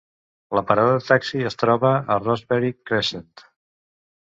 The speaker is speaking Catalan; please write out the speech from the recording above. La parada de taxi es troba a Rosebery Crescent.